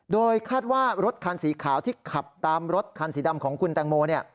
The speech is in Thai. โดยคาดว่ารถคันสีขาวที่ขับตามรถคันสีดำของคุณแตงโม